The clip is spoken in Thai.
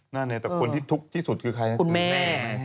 นั่นเนี่ยแต่คนที่ทุกข์ที่สุดคือใครนะคุณแม่